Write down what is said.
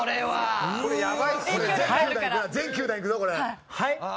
はい？